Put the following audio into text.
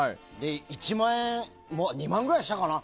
１万円２万ぐらいしたかな？